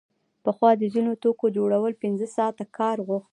پخوا د ځینو توکو جوړول پنځه ساعته کار غوښت